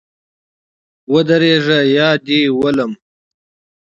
ودرېږه یا دي ولم